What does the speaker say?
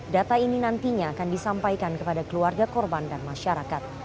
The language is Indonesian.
data ini nantinya akan disampaikan kepada keluarga korban dan masyarakat